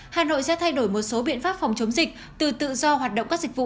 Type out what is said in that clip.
hà nội sẽ thay đổi một số biện pháp phòng chống dịch từ tự do hoạt động các dịch vụ